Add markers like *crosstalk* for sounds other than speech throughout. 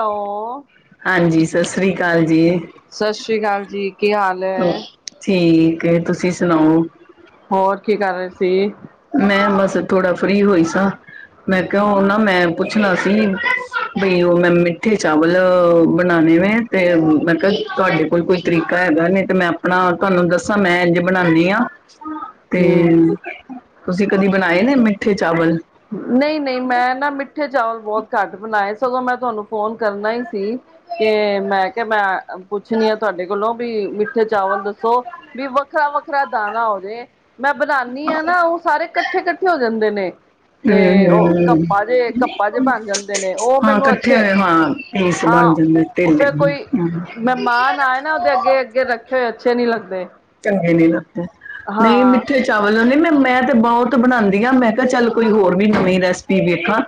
Hello ਹਾਂਜੀ ਸਤਿ ਸ੍ਰੀ ਅਕਾਲ ਜੀ ਸਤਿ ਸ੍ਰੀ ਅਕਾਲ ਜੀ ਕੀ ਹਾਲ ਹੈ ਠੀਕ ਤੁਸੀਂ ਸੁਣਾਓ ਹੋਰ ਕੀ ਕਰ ਰਹੇ ਸੀ ਮੈਂ ਬਸ ਥੋੜਾ ਫ੍ਰਰੀ ਹੋਈ ਸਾਂ ਮੈਂ ਕਿਹਾ ਨਾ ਮੈਂ ਪੁੱਛਣਾ ਸੀ ਬਈ ਉਹ ਮੈਂ ਮਿੱਠੇ ਚਾਵਲ ਬਣਾਣੇ ਵ ਤੇ ਮੈਂ ਕਿਹਾ ਤੁਹਾਡੇ ਕੋਲ ਕੋਈ ਤਰੀਕਾ ਹੈਗਾ ਨਹੀਂ ਤੇ ਮੈਂ ਆਪਣਾ ਤੁਹਾਨੂੰ ਦੱਸਾਂ ਮੈਂ ਇੰਜ ਬਣਾਉਦੀ ਹਾਂ ਤੇ ਹਮ ਕਦੀ ਬਣਾਏ ਨੇ ਮਿੱਠੇ ਚਾਵਲ ਨਹੀਂ ਨਹੀਂ ਮੈਂ ਨਾ ਮਿੱਠੇ ਚਾਵਲ ਬਹੁਤ ਘੱਟ ਬਣਾਏ ਸਗੋਂ ਮੈਂ ਤੁਹਾਨੂੰ ਫੋਨ ਕਰਨਾ ਹੀ ਸੀ ਕਿ ਮੈਂ ਕਿਹਾ ਮੈਂ ਪੁੱਛਣੀ ਆ ਤੁਹਾਡੇ ਕੋਲੋਂ ਵੀ ਮਿੱਠੇ ਚਾਵਲ ਦੱਸੋ ਵੀ ਵੱਖਰਾ ਵੱਖਰਾ ਦਾਣਾ ਹੋਵੇ ਮੈਂ ਬਣਾਉਾਨਦੀ ਹਾਂ ਨਾ ਉਹ ਸਾਰੇ ਕੱ ਇਕੱਠੇ ਇਕੱਠੇ ਹੋ ਜਾਂਦੇ ਨੇ ਹੂੰ ਤੇ ਉਹ ਹੂੰ ਕੱਪਾ ਜੇ ਕੱਪਾ ਜਿਹੇ ਬਣ ਜਾਂਦੇ ਨੇ ਉਹ ਹਾਂ ਮੈਨੂੰ ਇਕੱਠੇ ਅੱਛੇ ਹੋਏ ਹਾਂ ਪੀਸ ਹਾਂ ਬਣ ਜਾਂਦੇ ਉਹ ਫੇਿਰ ਢਿੱਲੇ ਕੋਈ ਮਹਿਮਾਨ ਆਏ ਨਾ ਉਹਦੇ ਅੱਗੇ ਹੂੰ ਅੱਗੇ ਰੱਖੇ ਹੋਏ ਅੱਛੇ ਨਹੀਂੀ ਲੱਗਦੇ ਚੰਗੇ ਨੀ ਲੱਗਦੇ ਨਹੀਂ ਹਾਂ ਮਿੱਠੇ ਚਾਵਲ ਉਹਦੇ ਮ ਮੈਂ ਤੇ ਬਹੁਤ ਬਣਾਉਂਦੀ ਆ ਮੈਂ ਕਿਹਾ ਚੱਲ ਕੋਈ ਹੋਰ ਵੀ ਨਵੀਂ ਰੈਸਪੀ ਵੇਖਾ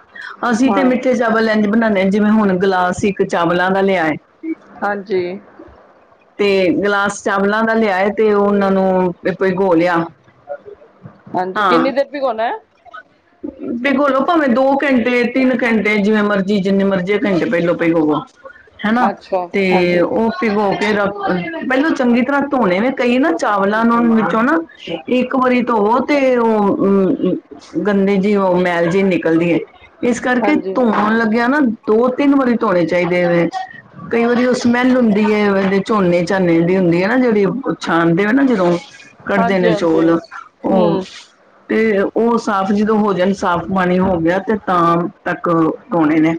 ਅਸੀਂ ਹਾਂ ਤੇ ਮਿੱਠੇ ਚਾਵਲ ਲੈਂਦੇ ਬਣਾਉਦੇ ਜਿਵੇਂ ਹੁਣ ਗਲਾਸ ਇੱਕ ਚਾਵਲਾਂ ਦਾ ਲਿਆਏ ਹਾਂਜੀ ਤੇ ਗਲਾਸ ਚਾਵਲਾਂ ਦਾ ਲਿਆਏ ਤੇ ਉਹ ਉਹਨਾਂ ਨੂੰ ਗੋ ਲਿਆ ਹਾਂਜੀ ਕਿੰਨੀ ਦੇਰ ਵੀ ਗਉਣਾ ਹੈ ਭਗੋਲੋ ਭਾਵੇਂ ਦੋ ਘੰਟੇ ਤਿੰਨ ਘੰਟੇ ਜਿਵੇਂ ਮਰਜੀੀ ਜਿੰਨੇ ਮਰਜ਼ੀ ਘੰਟੇ ਪਹਿਲੋਂ ਪ ਹੋਵੋ ਹਨਾ- ਅੱਛਾ ਤੇ ਹਾਂਜੀ ਓ ਪਿਗੋ- ਫਿਰ ਪੈਲਾਂ ਚੰਗੀ ਤਰ੍ਹਾਂ ਧੋਣੇ ਨੇ। ਕਈ ਨਾ ਚਾਵਲਾਂ ਨੂੰ ਵਿੱਚੋਂ ਨਾ ਇੱਕ ਵਾਰੀ ਧੋਵੋ ਤੇ ਉਹ ਉ ਉ- ਗੰਦੇ ਜੇਈ ਉਹ ਮੈਲ ਜੇਈ ਨਿਕਲਦੀ ਏ। ਇਸ ਕਰਕੇ ਹਾਂਜੀ ਧੋਣ ਲੱਗਿਆ ਨਾ ਦੋ ਤਿੰਨ ਵਾਰੀ ਧੋਣੇ ਚਾਈਦੇ ਵੇ ।ਕਈ ਵਾਰੀ ਓ ਸਮੈਲ ਹੁੰਦੀ। ਵਲੇ ਝੋਨੇ ਝਾਨੇ ਦੀ ਹੁੰਦੀ ਏ ਨਾ ਜੇੜੀ- ਓ ਛਾਣਦੇ ਓ ਨਾ ਜਦੋਂ ਕੱਢਦੇ ਹਾਂਜੀ ਨੇ ਹਾਂਜੀ ਚੌਲ। ਓ- ਹਮ ਤੇ ਓ- ਸਾਫ਼ ਜਿਦੋਂ ਹੋਜਣ ਸਾਫ਼ ਪਾਣੀ ਹੋ ਗਿਆ ਤੇ ਤਾਂ- ਤੱਕ ਪਾਉਣੇ ਨੇ।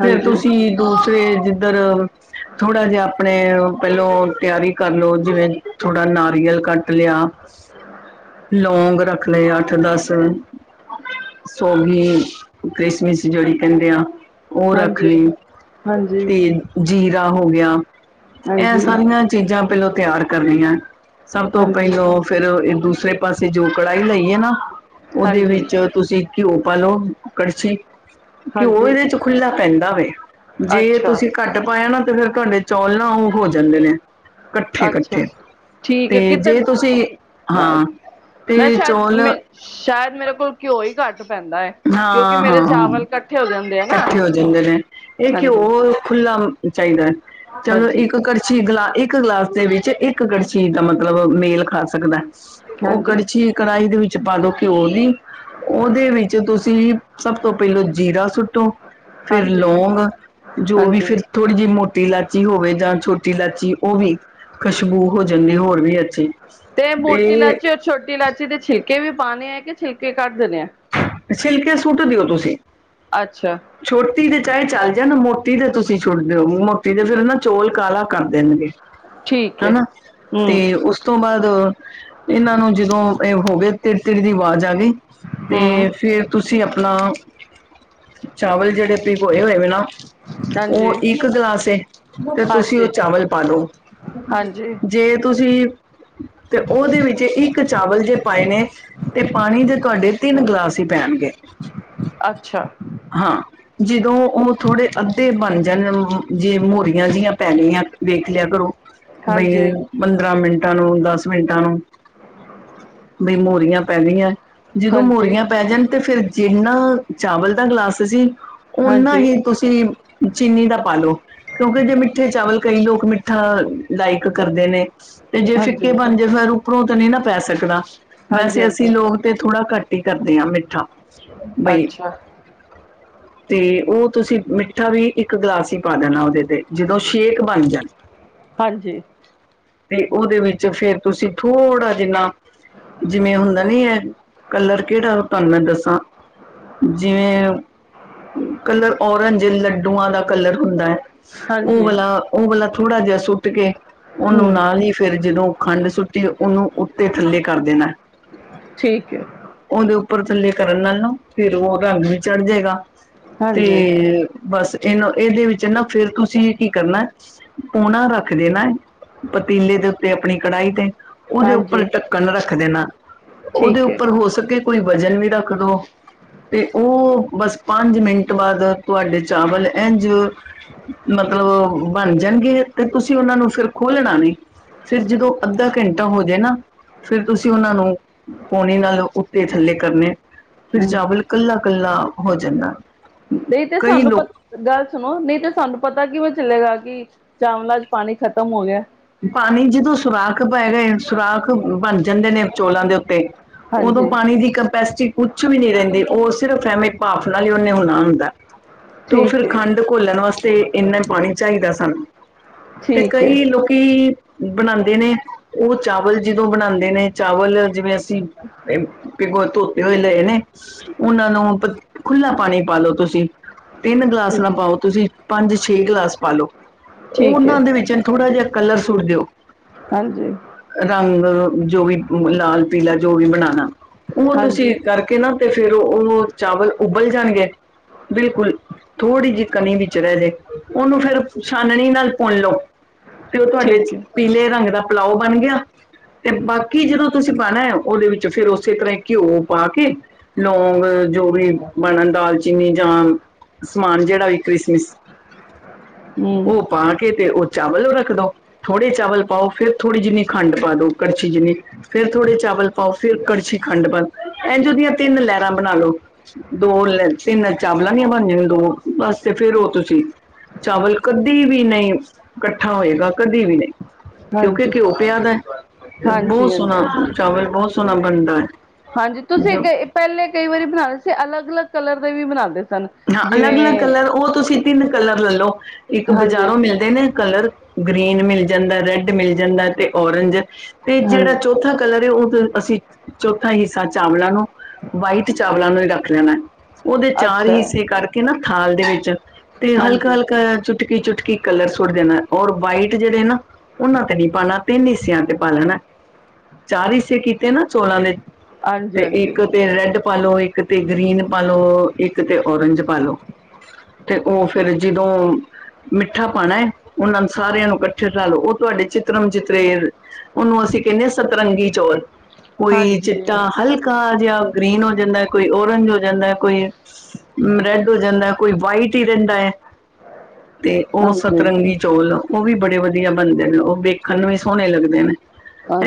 ਫੇਰ ਤੁਸੀਂ ਦੂਸਰੇ- ਇਧਰ ਥੋੜਾ ਜਿਆ ਆਪਣੇ- ਪੈਲੋਂ ਤਿਆਰੀ ਕਰ ਲੋ, ਜਿਵੇਂ ਥੋੜਾ ਨਾਰੀਅਲ ਕੱਟ ਲਿਆ, ਲੌਂਗ ਰੱਖ ਲਏ ਅੱਠ ਦਸ। ਤੇ ਸੋਗੀ, ਕ੍ਰਿਸਮਿਸ ਜੇੜੀ ਕੇਂਦੇ ਆਂ ਓ ਰੱਖ ਹਾਂਜੀ ਲੀ ਹਾਂਜੀ ਤੇ ਜੀਰਾ ਹੋ ਗਿਆ। ਏ ਹਾਂਜੀ ਸਾਰੀਆਂ ਚੀਜ਼ਾਂ ਪੈਲਾਂ ਤਿਆਰ- ਕਰਨੀਆਂ। ਸਭ ਤੋਂ ਹਾਂਜੀ ਪੈਲੋਂ ਫੇਰ ਏਦੂ ਦੂਸੇ ਪਾਸੇ ਜੋ ਕੜਾਈ ਲਈ ਏ ਨਾ- ਉਦੇ ਹਾਂਜੀ ਵਿੱਚ ਤੁਸੀਂ- ਘਿਓ ਪਾਲੋ ਕੜਛੀ। ਘਿਓ ਹਾਂਜੀ ਇਦੇ 'ਚ ਖੁੱਲਾ- ਪੈਂਦਾ ਵੇ। ਜੇ ਏ ਅੱਛਾ ਤੁਸੀਂ ਘੱਟ ਪਾਇਆ ਨਾ- ਤੇ ਫੇਰ ਤੁਆਡੇ ਚੌਲ ਨਾ ਓ ਹੋ ਜਾਂਦੇ ਨੇ। ਕੱਠੇ ਅੱਛਾ -ਕੱਠੇ ਠੀਕ ਤੇ ਹੈ ਕਿਤੇ ਜੇ ਤੁਸੀਂ ਹਾਂ -ਤੇ ਮੈਂ ਸ਼ਾਇਦ ਚੌਲ ਮੈਂ ਸ਼ਾਇਦ ਮੇਰੇ ਕੋਲ ਘਿਓ ਈ ਘੱਟ ਪੈਂਦਾ ਏ। ਕਿਉਂਕਿ ਮੇਰੇ ਹਾਂ-ਹਾਂ ਚਾਵਲ ਕੱਠੇ ਹੋ ਜਾਂਦੇ ਆ ਨਾ। ਇਕੱਠੇ ਹਾਂਜੀ ਇਕ ਦਮ ਚਾਈਦਾ। ਚਲੋ ਹਾਂਜੀ ਇੱਕ ਕੜਛੀ ਗਲਾ ਇੱਕ- ਇੱਕ ਗਲਾਸ ਦੇ ਵਿੱਚ ਇੱਕ ਕੜਛੀ ਦਾ ਮਤਲਬ ਮੇਲ ਖਾ ਸਕਦਾ। ਓ ਹਾਂਜੀ ਕੜਛੀ ਕੜਾਈ ਦੇ ਵਿੱਚ- ਈ ਪਾ ਦੋ ਘਿਓ ਦੀ ਉਹਦੇ ਵਿੱਚ ਤੁਸੀਂ ਸਭ ਤੋਂ ਪੈਲੋਂ ਜੀਰਾ ਸੁੱਟੋ, ਫੇਰ ਹਾਂਜੀ ਲੌਂਗ, ਜੋ ਵੀ ਫਿਰ ਹਾਂਜੀ ਥੋੜੀ ਜਿਈ ਮੋਟੀ ਲਾਚੀ ਹੋਵੇ ਜਾਂ ਛੋ- ਛੋਟੀ ਲਾਚੀ ਓ ਵੀ। ਖੁਸ਼ਬੂ ਹੋ ਜਾਂਦੀ ਹੋਰ ਵੀ ਅੱਛੀ ।ਤੇ- ਕੇ ਵੀ ਪਾਣੇ ਆ ਕਿ ਛਿਲਕੇ ਕੱਢ ਦੇਣੇ ਆ। ਛਿਲਕੇ ਸੁਟ ਦਿਓ ਤੁਸੀਂ। ਅੱਛਾ। ਮੋਟੀ ਦੇ ਚਾਹੇ ਚੱਲ ਜਾ ਨਾ ਮੋਤੀ ਦੇ ਤੁਸੀਂ ਚੁਣ ਦਿਓ ਮੋਟੀ ਦੇ ਫਿਰ ਨਾ ਚੋਲ ਕਾਲਾ ਕਰ ਦੇਣਗੇ। ਠੀਕ ਹੈ ਹਨਾ ਤੇ ਹੂੰ ਉਸ ਤੋਂ ਬਾਅਦ ਇਹਨਾਂ ਨੂੰ ਜਦੋਂ ਇਹ ਹੋ ਗਏ ਤਿੜ ਤਿੜ ਦੀ ਆਵਾਜ਼ ਆ ਗਈ ਤੇ। ਹੂੰ ਫਿਰ ਤੁਸੀਂ ਆਪਣਾ ਚਾਵਲ ਜਿਹੜੇ? ਭਿਉਏ ਹੋਏ ਹੈ ਨਾ ਹਾਂਜੀ ਉਹ ਇੱਕ ਗਲਾਸ ਤੇ ਤੁਸੀਂ ਉਹ ਹਾਂਜੀ ਚਾਵਲ ਪਾ ਲਓ ਹਾਂਜੀ ਜੇ ਤੁਸੀਂ ਤੇ ਉਹਦੇ ਵਿੱਚ ਇੱਕ? ਇੱਕ ਚਾਵਲ ਜੇ ਪਾਏ ਨੇ ਤੇ ਪਾਣੀ ਦੇ ਤੁਹਾਡੇ ਤਿੰਨ ਗਲਾਸ? ਤੇ ਪੈਣਗੇ। ਅੱਛਾ। ਹਾਂ ਜਦੋਂ ਉਹ ਥੋੜੇ ਅੱਧੇ ਬਣ ਜਾਣ ਜੇ ਮੋਹਰੀਆਂ ਜਿਹੀਆਂ ਪੈ ਗਈਆਂ ਵੇਖ ਲਿਆ ਕਰੋ? ਬਈ ਹਾਂਜੀ ਪੰਦਰਾਂ ਮਿੰਟ। ਮਿੰਟਾਂ ਨੂੰ ਦਸ ਮਿੰਟਾਂ ਨੂੰ। ਹੂੰ। ਵੀ ਮੋਰੀਆਂ ਪੈ ਗਈਆਂ। ਹਾਂਜੀ। ਪੈਣ ਤੇ ਫਿਰ ਜਿੰਨਾ ਚਾਵਲ ਦਾ ਗਲਾਸ ਸੀ। ਓਨਾ ਹਾਂਜੀ ਹੀ ਤੁਸੀਂ? ਚੀਨੀ ਦਾ ਪਾਲਓ ਕਿਉਂਕਿ ਜੇ ਮਿੱਠੇ ਚਾਵਲ ਕਈ ਲੋਕ ਮਿੱਠਾ ਲਾਇਕ ਕਰਦੇ ਨੇ? ਤੇ ਜੇ ਫਿੱਕੇ ਹਾਂਜੀ ਬਣਜੇ ਫਿਰ? ਉੱਪਰੋਂ ਤਾਂ ਨਹੀਂ ਨਾ ਪੈ ਸਕਣਾ? ਹਾਂਜੀ ਵੈਸੇ ਅਸੀਂ ਹਾਂਜੀ ਲੋਕ ਤੇ ਥੋੜਾ ਘੱਟ। ਕੀ ਘਰ। ਕਰਦੇ ਹਾਂ ਮਿੱਠਾ। ਬਈ। ਅੱਛਾ ਤੇ ਉਹ ਤੁਸੀਂ ਮਿੱਠਾ ਵੀ ਇੱਕ ਗਲਾਸ ਹੀ ਪਾ ਦੇਣਾ ਉਹਦੇ ਤੇ ਜਦੋਂ ਸ਼ੇਕ ਬਣ ਜਾਣ। ਹਾਂਜੀ। ਤੇ ਉਹਦੇ ਵਿੱਚ ਫਿਰ ਤੁਸੀਂ ਥੋੜਾ ਜਿੰਨਾ ਜਿਵੇਂ ਹੁੰਦਾ ਨੀ ਹੈ ਕਲਰ। ਕਿਹੜਾ ਤੁਹਾਨੂੰ ਮੈਂ ਦੱਸਾਂ ਜਿਵੇਂ ਕਲਰ ਔਰੰਜ ਲੱਡੂਆਂ ਦਾ ਕਲਰ ਹੁੰਦਾ ਹੈ। ਉਹ ਹਾਂਜੀ ਵਾਲਾ ਉਹ ਵਾਲਾ। ਥੋੜਾ ਜਿਹਾ ਸੁੱਟ ਕੇ। ਉਹਨੂੰ ਹੂੰ ਨਾਲ ਹੀ ਫਿਰ ਜਦੋਂ। ਖੰਡ ਸੁੱਟੀ ਉਹਨੂੰ ਉੱਤੇ ਥੱਲੇ ਕਰ ਦੇਣਾ। ਠੀਕ ਹੈ। ਉਹਦੇ ਉੱਪਰ ਥੱਲੇ ਕਰਨ ਨਾਲ ਨਾ ਫਿਰ ਉਹ ਰੰਗ ਵੀ ਚੜ ਜਾਏਗਾ। ਤੇ ਹਾਂਜੀ ਬਸ। ਇਹਨੂੰ ਇਹਦੇ ਵਿੱਚ ਨਾ ਫਿਰ ਤੁਸੀਂ ਕੀ ਕਰਨਾ ਪੂਣਾ ਰੱਖ ਦੇਣਾ ਪਤੀਲੇ ਦੇ ਉੱਤੇ ਆਪਣੀ ਕੜਾਹੀ ਤੇ। ਉਹਦੇ ਉੱਪਰ ਹਾਂਜੀ ਢੱਕਣ ਰੱਖ ਦੇਣਾ ਉਹਦੇ ਠੀਕ ਹੈ ਉੱਪਰ ਹੋ ਸਕੋ। ਕੋਈ ਵਜ਼ਨ ਵੀ ਰੱਖ ਦਿਉ ਤੇ ਉਹ ਬਸ ਪੰਜ ਮਿੰਟ ਬਾਅਦ ਤੁਹਾਡੇ ਚਾਵਲ ਇੰਝ ਮਤਲਬ ਬਣ ਜਾਣਗੇ ਤੇ ਤੁਸੀਂ ਉਹਨਾਂ ਨੂੰ ਫਿਰ ਖੋਲਣਾ ਨਹੀਂ ਫਿਰ ਜਦੋਂ ਅੱਧਾ ਘੰਟਾ ਹੋ ਜਾਵੇ ਨਾ ਫਿਰ ਤੁਸੀਂ ਉਹਨਾਂ ਨੂੰ ਪੋਣੇ ਨਾਲ ਦੇ ਥੱਲੇ ਕਰਨੇ ਫਿਰ ਹੂੰ ਚਾਵਲ ਕੱਲਾ- ਕੱਲਾ ਹੋ ਜਾਂਦਾ। ਨਹੀਂ ਤੇ ਕਈ ਸਾਨੂੰ ਲੋਕ ਪਤਾ ਗੱਲ ਸੁਣੋ ਨਹੀਂ ਤੇ ਸਾਨੂੰ ਪਤਾ ਕਿਵੇਂ ਚਲੇਗਾ ਕਿ ਚਾਵਲਾ ਚ ਪਾਣੀ ਖਤਮ ਹੋ ਗਿਆ। ਪਾਣੀ ਜਦੋਂ ਸੁਰਾਖ ਪੈ ਗਏ, ਸੁਰਾਖ ਬਣ ਜਾਂਦੇ ਨੇ ਚੋਲਾਂ ਦੇ ਉੱਤੇ ਉਦੋਂ ਹਾਂਜੀ ਪਾਣੀ ਦੀ ਕਪੈਸਿਟੀ ਕੁਛ ਵੀ ਨਹੀਂ ਰਹਿੰਦੀ ਉਹ ਸਿਰਫ ਐਵੇਂ ਭਾਫ ਨਾਲ ਹੀ ਉਹਨੇ ਹੋਣਾ ਹੁੰਦਾ। ਤੂੰ ਫਿਰ ਠੀਕ ਏ ਖੰਡ ਘੋਲਣ ਵਾਸਤੇ ਇੰਨਾ ਪਾਣੀ ਚਾਹੀਦਾ ਸਾਨੂੰ ਤੇ ਠੀਕ ਏ ਕਈ ਲੋਕ ਬਣਾਉਦੇ ਨੇ ਉਹ ਚਾਵਲ ਜਦੋਂ ਬਣਾਉਦੇ ਨੇ ਚਾਵਲ ਜਿਵੇਂ ਅਸੀਂ ਪਿਗੋ ਧੋਤੇ ਹੋਏ ਲਏ ਨੇ ਉਹਨਾਂ ਨੂੰ ਖੁਲਾ ਪਾਣੀ ਪਾ ਲਓ ਤੁਸੀਂ। ਤਿੰਨ ਗਲਾਸ ਠੀਕ ਨਾ ਪਾਓ ਤੁਸੀਂ ਪੰਜ ਛੇ ਗਲਾਸ ਪਾ ਲੋ। ਠੀਕ ਏ ਉਹਨਾਂ ਦੇ ਵਿੱਚ ਥੋੜ੍ਹਾ ਜਿਹਾ ਕਲਰ ਸੁੱਟ ਦਿਓ। ਹਾਂਜੀ ਰੰਗ ਜੋ ਵੀ ਲਾਲ ਪੀਲਾ ਜੋ ਵੀ ਬਣਾਣਾ। ਉਹ ਤੁਸੀਂ ਹਾਂਜੀ ਕਰਕੇ ਨਾ ਤੇ ਫੇਰ ਉਹ ਚਾਵਲ ਉਬਲ ਜਾਣਗੇ ਬਿਲਕੁਲ ਥੋੜ੍ਹੀ ਜਿਹੀ ਕਨੀ ਵਿੱਚ ਰਹਿ ਜੇ ਉਹਨੂੰ ਫੇਰ ਛਾਨਣੀ ਨਾਲ ਪੁਣ ਲਓ। ਤੇ ਉਹ ਤੁਹਾਡੇ ਚ ਠੀਕ ਏ ਪੀਲੇ ਰੰਗ ਦਾ ਪਲਾਓ ਬਣ ਗਿਆ ਤੇ ਬਾਕੀ ਜਦੋਂ ਤੁਸੀਂ ਪਾਣਾ ਹੈ ਉਹਦੇ ਵਿੱਚ ਫਿਰ ਉਸੇ ਤਰ੍ਹਾਂ ਘਿਓ ਪਾ ਕੇ ਲੌਂਗ ਜੋ ਵੀ ਬਣ ਦਾਲਚੀਨੀ ਜਾਂ ਸਮਾਨ ਜਿਹੜਾ ਵੀ ਕ੍ਰਿਸਮਿਸ ਹੂੰ ਉਹ ਪਾ ਕੇ ਤੇ ਉਹ ਚਾਵਲ ਨੂੰ ਰੱਖ ਰ ਦੋ ਥੋੜੇ ਚਾਵਲ ਪਾਓ ਫਿਰ ਥੋੜੀ ਜਿਨੀ ਖੰਡ ਪਾ ਦੋ ਕੜਛੀ ਜਿੰਨੀ ਫੇਰ ਥੋੜੇ ਚਾਵਲ ਪਾਓ ਫਿਰ ਕੜਛੀ ਖੰਡ ਪਾ ਦ ਇੰਝ ਦੀਆਂ ਤਿੰਨ ਲਹਿਰਾਂ ਬਣਾ ਲੋ ਦੋ ਲ ਤਿੰਨ ਚਾਵਲਾਂ ਦੀ ਬਣਦੀ ਨੇ ਦੋ ਵਸਤੇ ਫੇਰ ਉਹ ਤੁਸੀਂ ਚਾਵਲ ਕਦੇ ਵੀ ਨਹੀਂ ਕੱ ਠਾ ਹੋਏਗਾ ਕਦੇ ਵੀ ਨਹੀਂ। ਕਿਉਂਕਿ ਹਾਂਜੀ ਘਿਓ ਪਿਆ ਦਾ ਹੈ, ਤੇ ਹਾਂਜੀ ਬਹੁਤ ਹਾਂਜੀ ਸੋਹਣਾ ਚਾਵਲ ਬਹੁਤ ਸੋਹਣਾ ਬਣਦਾ ਐ। ਹਾਂਜੀ ਤੁਸੀਂ ਕ ਪਹਿਲੇ ਕਈ ਵਾਰੀ ਬਣਾਏ ਸੀ, ਅਲੱਗ -ਅਲੱਗ ਕਲਰ ਦੇ ਵੀ ਬਣਾਂਦੇ ਸੀ। ਹਾਂ ਅਲੱਗ -ਅਲੱਗ ਕਲਰ ਉਹ ਤੁਸੀਂ ਤਿੰਨ ਕਲਰ ਲੈ ਲੋ ਇੱਕ ਹਾਂਜੀ ਬਜ਼ਾਰੋਂ ਮਿਲਦੇ ਨੇ ਕਲਰ ਗ੍ਰੀਨ ਮਿਲ ਜਾਂਦਾ, ਰੈਡ ਮਿਲ ਜਾਂਦਾ ਤੇ ਔਰਿੰਜ ਤੇ ਜਿਹੜਾ ਹਾਂਜੀ ਚੌਥਾ ਕਲਰ ਐ ਉਹ ਅਸੀਂ ਚੌਥਾ ਹਿੱਸਾ ਚਾਵਲਾਂ ਨੂੰ ਵਾਈਟ ਚਾਵਲਾਂ ਨੂੰ ਹੀ ਰੱਖ ਲੈਣਾ। ਉਹਦੇ ਚਾਰ ਅੱਛਾ ਹੀ ਸੀ। ਕਰਕੇ ਨਾ ਥਾਲ ਦੇ ਵਿੱਚ। ਤੇ ਹਲਕਾ, ਹਾਂਜੀ ਹਾਂਜੀ ਹਲਕਾ। ਚੁਟਕੀ, ਚੁਟਕੀ। ਕਲਰ ਸੁੱਟ ਦੇਣਾ ਔਰ ਵਾਈਟ ਜਿਹੜੇ ਨਾ ਉਹਨਾਂ ਤੇ ਨਹੀਂੀ ਪਾਉਣਾ ਤਿੰਨ ਹਿੱਸਿਆਂ ਤੇ ਪਾ ਲੈਣਾ ਚਾਰ ਹਿੱਸੇ ਕੀਤੇ ਨਾ ਚੋਲਾਂ ਦੇ ਤੇ ਇੱਕ ਹਾਂਜੀ ਤੇ ਰੈਡ ਪਾਾਲੋ ਇੱਕ ਇੱਕ ਤੇ ਗ੍ਰੀਨ ਪਾ ਲੋ ਇੱਕ ਤੇ ਔਰੰਜ ਪਾ ਲੋ ਤੇ ਉਹ ਫੇਿਰ ਜਦੋਂ ਮਿੱਠਾ ਪਾਉਣਾ ਹੈ ਉਹਨਾਂ ਨੂੰ ਸਾਰਿਆਂ ਨੂੰ ਇਕੱਠੇ ਰਾਹ ਲੋ ਉਹ ਤੁਹਾਡੇ ਚਿਤਰਮ ਚਿਤਰੇ ਉਹਨੂੰ ਅਸੀਂ ਕਹਿੰਦੇ ਹ ਸਤਰੰਗੀ ਚੌਲ। ਕੋਈ ਚਿੱਟਾ ਹਾਂਜੀ ਹਲਕਾ ਜਿਹਾ। ਗ੍ਰੀਨ ਹੋ ਜਾਂਦਾ ਕੋਈ ਓਰੰਜ ਹੋ ਜਾਂਦਾ ਕੋਈ ਰੈਡ ਹੋ ਜਾਂਦਾ ਕੋਈ ਵਾਈਟ ਹੀ ਰਹਿੰਦਾ ਹੈ। ਤੇ ਉਹ ਹਾਂਜੀ ਹਾਂਜੀ ਸਤਰਤਰੰਗੀ ਚੌਲ ਉਹ ਵੀ ਬੜੇ ਬੜੇ ਵਧੀਆ ਬਣਦੇ ਨੇ ਉਹ ਵੇਖਣ ਨੂੰ ਵੀ ਸੋਹਣੇ ਲੱਗਦੇ ਨੇ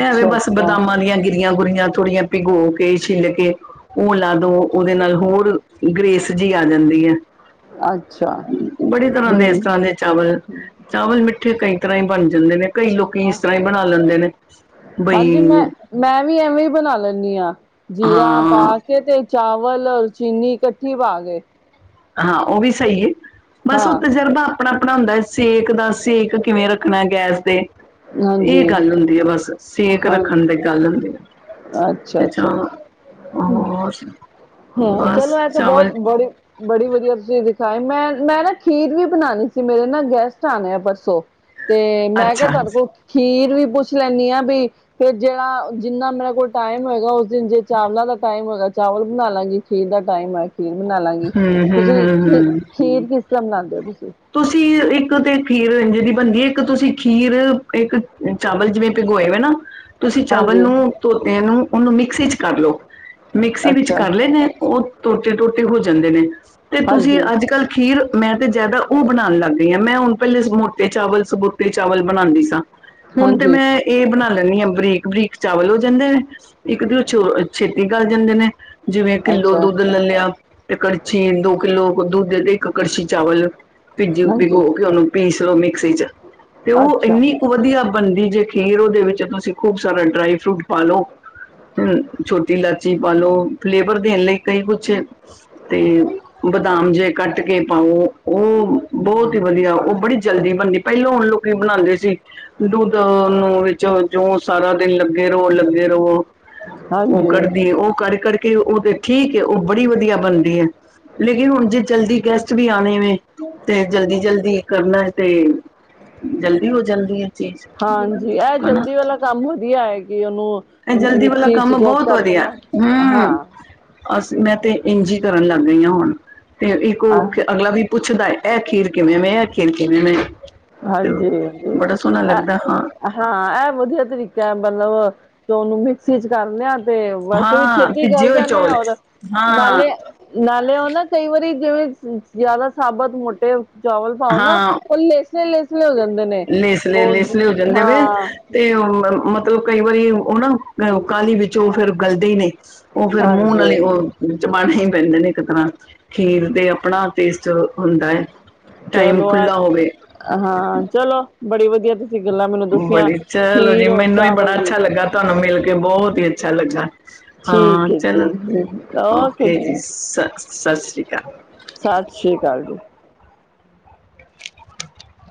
ਹੈਵੇਂ ਬੱਸ ਅੱਛਾ ਬਦਾਮਾਂ ਦੀਆਂ ਗ ਆਂ ਗਰੀੀਆਂ ਥੋੜੀਆਂ ਭਿਗੋ ਕੇ ਛਿੱਲ ਕੇ ਉਹ ਲਾ ਦੋ ਉਹਦੇ ਨਾਲ ਹੋਰ ਗ੍ਰੇਸ ਜੀ ਆ ਜਾਂਦੀ ਹੈ। ਅੱਛਾ ਬੜੀ ਤਰ੍ਹਾਂ ਹੂੰ ਦੇ ਇਸ ਤਰ੍ਹਾਂ ਦੇ ਚਾਵਲ ਚਾਵਲ ਮਿੱਠੇ ਕਈ ਤਰ੍ਹਾਂ ਹੀ ਬਣ ਜਾਂਦੇ ਨੇ ਕਈ ਲੋਕੀ ਹਾਂ ਇਸ ਤਰ੍ਹਾਂ ਹੀ ਬਣਾ ਲੈਂਦੇ ਨੇ। ਬਈ ਹਾਂਜੀ ਮੈਂ ਮੈਂ ਵੀ ਐਵੇਂ ਹੀ ਬਣਾ ਲੈਂਦੀ ਹਾਂ ਜੀਰਾ ਪਾ ਹਾਂ ਕੇ ਤੇ ਚਾਵਲ ਔਰ ਚੀਨੀ ਇਕੱਠੀ ਪਾ ਗਏ। ਹਾਂ ਉਹ ਵੀ ਸਹੀ ਹੈ। ਬਸ ਉਹ ਤਜਰਬਾ ਆਪਣਾ ਆਪਣਾ ਹੁੰਦਾ ਸੇਕ ਦਾ ਸੇਕ ਕਿਵੇਂ ਰੱਖਣਾ ਗੈਸ ਦੇ ਇਹ ਹਾਂਜੀ ਗੱਲ ਹੁੰਦੀ ਆ ਬਸ ਸੇਕ ਰੱਖਣ ਹਾਂਜੀ ਦੀ ਗੱਲ ਹੁੰਦੀ ਆ ਅੱਛਾ ਤੇ ਚ ਅੱਛਾ ਹੋ ਹ ਚਲੋ ਐਸੇ ਬਹੁਤ ਬੜੇ ਬ। ੜੀ ਵਧੀਆ ਸੀ। ਖ ਮੈਂ ਮੈਂ ਨਾ ਖੀਰ ਵੀ ਬਣਾਉਣੀ ਸੀ ਮੇਰੇ ਨਾ ਗੈਸਟ ਆਉਣੇ ਆ ਪਰਸੋਂ। ਤੇ ਮੈਂ ਕਿਹਾ ਅੱਛਾ ਤੁਹਾਡੇ ਕੋਲ ਖੀਰ ਵੀ ਪੁੱਛ ਲੈਂਦੀ ਆਾਂ ਵੀ ਫਰ ਜਿਹੜਾ ਜਿੰਨਾ ਮੇਰੇ ਕੋਲ ਟਾਈਮ ਹੋਏਗਾ ਜੇ ਚਾਵਲਾਂ ਦਾ ਟਾਈਮ ਹੈਗਾ। ਚਾਵਲ। ਨਾਲਾਂ ਜ ਖਦ ਦਾ ਟਾਈਮ ਹੈ। ਖੀਰ ਬਣਾ ਲਾਂਗੇ ਹੂੰ ਹੂੰ ਤੁਸੀਂ ਹੂੰ ਖ ਹੂੰ ਖੀਰ ਕਿਸ ਨਾਉਦੇ ਹੋ ਤੁਸੀਂ ਤੁਸੀਂ ਇੱਕ ਤੇ ਖੀਰ ਜਿਹਦੀ ਬਣਦੀ ਇੱਕ ਤੁਸੀਂ ਖੀਰ ਇੱਕ ਚਾਵਲ ਜਿਵੇਂ ਭਿਗਏ ਹੋ ਨਾ ਤੁਸੀਂ ਚਾਵਲ ਹਾਂਜੀ ਨੂੰ ਧੋਤਿਆਂ ਨੂੰ ਉਹਨੂੰ ਮਿਕਸੀ ਚ ਕਰ ਲੋ ਮਿਕਸੀ ਵਿੱਚ ਅੱਛਾ ਕਰ ਲੈਨੇ ਉਹ ਟੋਟੇ- ਟੋਟੇ ਹੋ ਜਾਂਦੇ ਨੇ ਤੇ ਤੁਸੀਂ ਹਾਂਜੀ ਅੱਜ ਕੱਲ੍ਹ ਖੀਰ ਮੈਂ ਤੇ ਜਿਆਦਾ ਉਹ ਬਣਾਣ ਲੱਗ ਗਈ ਹਾਂ ਮੈਂ ਹੁਣ ਪਹਿਲੇ ਮੋਟੇ ਚਾਵਲ ਸਬੂਤੇ ਚਾਵਲ ਬਣਾਣੀ ਸਾਂ ਹੁਣ ਤੇ ਹਾਂਜੀ ਮੈਂ ਇਹ ਬਣਾ ਲੈਂਦੀ ਹਾਂ ਬਰੀਕ-ਬਰੀਕ ਚਾਵਲ ਹੋ ਜਾਂਦੇ ਨੇ ਇੱਕ ਦਿ ਉਹ ਚ ਛੇ ਇਹ ਗੱਲ ਜਾਂਦੇ ਨੇ ਜਿਵੇਂ ਕਿੱਲੋ ਅੱਛਾ ਦੁੱਧ ਲੈ ਲਿਆ ਤੇ ਕੜਛੀ ਦੋ ਕਿੱਲੋ ਦੂੱਧ ਦੇ ਇੱਕ ਕੜਸੀ ਚਾਵਲ ਭਿੱਜੀ ਹਾਂਜੀ ਭਿਗੋ ਕੇ ਉਹਨੂੰ ਪੀਸ ਲਓ ਮਿਕਸੀ ਚ ਤੇ ਉਹ ਅੱਛਾ ਇੰਨੀ ਕੁ ਵਧੀਆ ਬਣਦੀ ਜੇ ਖੀਰ ਉਹਦੇ ਵਿੱਚ ਤੁਸੀਂ ਖੂਬ ਸਾਰਾ ਡਰਾਈ ਫਰੂਟ ਪਾਾਲੋ ਹਮ ਛੋਟੀ ਇਲਾਚੀ ਪਾਲੋ ਫਲੇਵਰ ਦੇਣ ਲਈ ਕਈ ਕੁਛ ਤੇ ਬਦਾਮ ਜੇਹੇ ਕੱਟ ਕੇ ਪਾਓ ਉਹ ਬਹੁਤ ਹੀ ਵਧੀਆ ਉਹ ਬੜੀ ਜਲਦੀ ਬਣਦੀ ਪਹਿਲਾਂ ਹੁਣ ਲੋਕੀ ਬਣਾਉਂਦੇ ਸੀ ਦੁੱਧ ਨੂੰ ਵਿੱਚ ਜੋ ਸਾਰਾ ਦਿਨ ਲੱਗੇ ਰਹੋ- ਲੱਗੇ ਰਹੋ ਉਹ ਹਾਂਜੀ ਕੜਦੀ ਹੈ ਉਹ ਕੜ-ਕੜ ਕੇ ਕਿ ਉਹ ਤੇ ਠੀਕ ਹੈ ਉਹ ਬੜੀ ਵਧੀਆ ਬਣਦੀ ਹੈ ਲੇਕਿਨ ਹੁਣ ਜੇ ਜਲਦੀ ਕਹਿ ਵੀ ਆਣੇ ਵ ਤੇ ਜਲਦੀ-ਜਲਦੀ ਕਰਨਾ ਤੇ ਜਲਦੀ ਹੋ ਜਾਂਦੀ ਹੈ। ਚੀਜ਼ ਹਾਂਜੀ ਇਹ ਹਨਾ ਜਲਦੀ ਵਾਲਾ ਕੰਮ ਵਧੀਆ ਹੈ ਕਿ ਉਹਨੂੰ ਇਹ ਜਲਦੀ ਵਾਲਾ ਮਿਕਸੀ ਚ ਕੰਮ ਚੋਪ ਬਹੁਤ ਕਰਕੇ ਵਧੀਆ ਨਾ ਹੰਮ ਹਾਂ ਅਸੀ ਮੈਂ ਤੇ ਇੰਜ ਕਰਨ ਲੱਗ ਗਈਆਂ ਹੁਣ ਤੇ ਇੱਕ ਉਹ ਅਗਲਾ ਵੀ ਪੁੱਛਦਾ ਇਹ ਖੀਰ ਕਿਵੇਂ ਵੇ ਐ ਖੀਰ ਕਿਵੇਂ ਵੇ ਹਾਂਜੀ- ਹਾਂਜੀ ਹਾਂ ਹਾਂ ਇਹ ਵਧੀਆ ਤਰੀਕਾ ਮਤਲਬ- ਤੇ ਉਹਨੂੰ ਮਿਕਸੀ ਚ ਕਰ ਲਿਆ ਤੇ ਬਸ ਵੀ ਹਾਂ ਛੇਤੀ ਕਰੱ ਭਿੱਜੇ ਹੋਏ ਜਾਂਦੇ ਆ ਚੌਲ ਹੈ। ਔਰ ਹਾਂ ਨਾਲੇ -ਨਾਲੇ ਉਹ ਨਾ ਕਈ ਵਾਰੀ ਜਿਵੇਂ ਜਿਆਦਾ ਸਾਬਤ ਮੋਟੇ ਚਾਵਲ ਪਾਓ ਨਾ ਕਲੇ ਲੇਸਲੇ-ਲੇਸਲੇ ਹੋ ਜਾਂਦੇ ਵੇ ਹਾਂ ਤੇ- ਮਤਲਬ ਕਈ ਵਾਰੀ ਉਹ ਨਾ ਕਾਹਲੀ ਵਿੱਚੋਂ ਫੇਿਰ ਗਲਦੇ ਨਈ ਉਹ ਫੇਿਰ ਮੂੰਹ ਹਾਂਜੀ ਨਾਲੇ ਉਹ ਚਬਾਨੇ ਹੀ ਪੈਂਦੇ ਨੇ ਇੱਕ ਤਰ੍ਹਾਂ ਖੀਰ ਦੇ ਆਪਣਾ ਟੇਸਟ ਹੁੰਦਾ ਹੈ ਟਾਈਮ ਚਲੋ ਆ ਖੁੱਲ੍ਹਾ ਹੋਵੇ ਹਾਂ ਚਲੋ ਬੜੀ ਵਧੀਆ ਤੁਂ ਬੜੀ ਚਲੋ ਜੀ ਮੈਨੂੰ ਵੀ ਬੜਾ ਚਾਵਲ ਜੀ ਅੱਛਾ ਲੱਗਾ ਤੁਹਾਨੂੰ ਮਿਲ ਬਹੁਤ ਹੀ ਅੱਛਾ ਲੱਗਾ ਹਾਂ ਠੀਕ ਹੈ ਜੀ ਚਲੋ ਓਕੇ ਜੀ ਸਤਿ ਸ਼੍ਰੀ ਅਕਾਲ ਸਤਿ ਸ਼੍ਰੀ ਅਕਾਲ ਜੀ *inaudible*